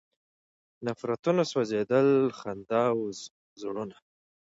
نفرتونه سوځېدل، خندان و زړونه